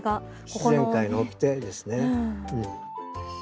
自然界のおきてですね。